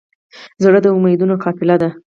زړه د امیدونو قافله ده.